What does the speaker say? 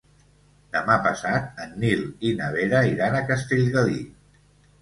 Demà passat en Nil i na Vera iran a Castellgalí.